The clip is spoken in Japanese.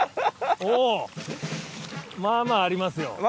おお！まあまあありますよ。